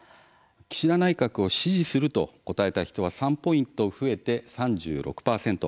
岸田内閣を支持すると答えた人は３ポイント増えて３６％。